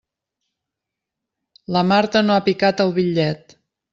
La Marta no ha picat el bitllet.